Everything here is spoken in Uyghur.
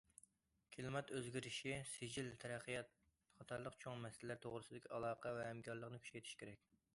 كىلىمات ئۆزگىرىشى، سىجىل تەرەققىيات قاتارلىق چوڭ مەسىلىلەر توغرىسىدىكى ئالاقە ۋە ھەمكارلىقنى كۈچەيتىشى كېرەك.